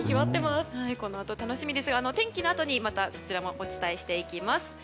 このあと楽しみですが天気のあとにそちらもお伝えしていきます。